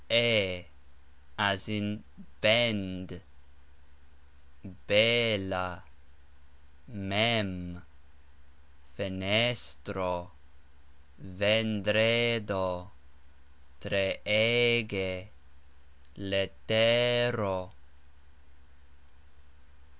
e (as in bEnd), BE la, mEm, fe NES tro, ven DRE do, tre E ge, le TE ro.